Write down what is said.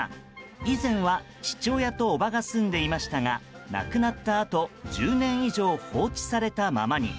以前は、父親とおばが住んでいましたが亡くなったあと１０年以上放置されたままに。